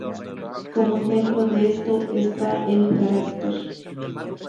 Como ejemplo de esto, está el carácter 隷.